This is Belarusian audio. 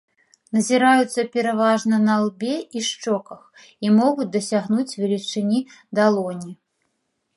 Назіраюцца пераважна на лбе і шчоках і могуць дасягнуць велічыні далоні.